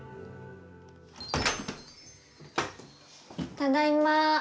ただいま。